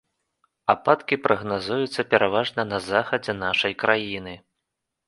Ападкі прагназуюцца пераважна на захадзе нашай краіны.